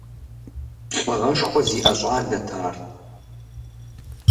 Лӏыгъэшхуэ зиӏэ щӏалэт ар.